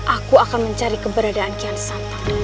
aku akan mencari keberadaan kian santan